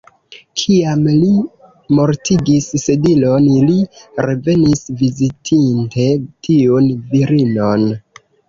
Kiam li mortigis Sedilon, li revenis, vizitinte tiun virinon.